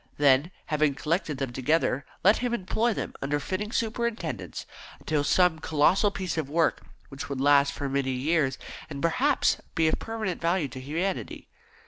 Then, having collected them together, let him employ them, under fitting superintendence, upon some colossal piece of work which would last for many years, and perhaps be of permanent value to humanity.